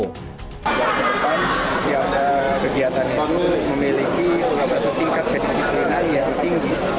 pada ke depan setiap kegiatan itu memiliki tingkat pedisiplinan yang tinggi